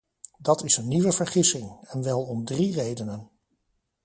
Dat is een nieuwe vergissing, en wel om drie redenen.